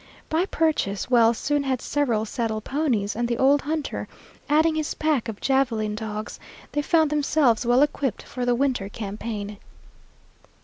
By purchase Wells soon had several saddle ponies, and the old hunter adding his pack of javeline dogs, they found themselves well equipped for the winter campaign.